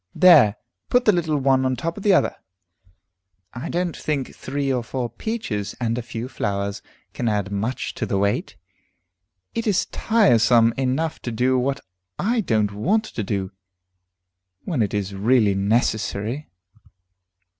"There, put the little one on the top of the other. I don't think three or four peaches and a few flowers can add much to the weight. It is tiresome enough to do what I don't want to do, when it is really necessary."